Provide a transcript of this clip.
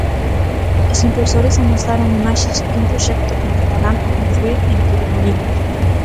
Os impulsores amosaron imaxes dun proxecto que empezarán a construír en Torremolinos.